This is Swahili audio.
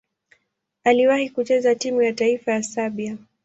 Aliwahi kucheza timu ya taifa ya Serbia.